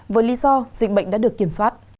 với lý do dịch bệnh đã được kiểm soát